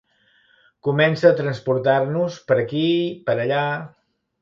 Comença a transportar-nos per aquí per allà.